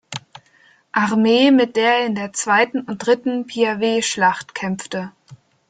Armee, mit der er in der Zweiten und Dritten Piaveschlacht kämpfte.